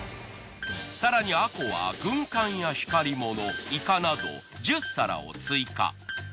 更にあこは軍艦や光りものいかなど１０皿を追加。